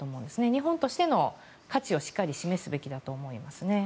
日本としての価値をしっかり示すべきだと思います。